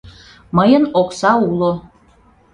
— Мыйын окса уло.